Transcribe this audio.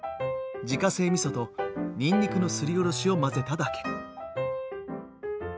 自家製みそとにんにくのすりおろしを混ぜただけ。